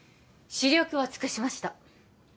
死力は尽くしました